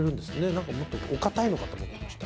なんかもっとお硬いのかと思ってました。